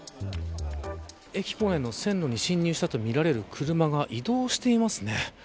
駅構内の線路に進入したとみられる車が移動していますね。